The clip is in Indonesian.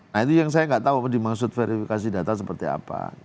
nah itu yang saya nggak tahu apa dimaksud verifikasi data seperti apa